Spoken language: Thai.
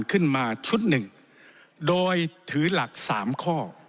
ขึ้นมาชุดหนึ่งโดยถือหลักสามข้อ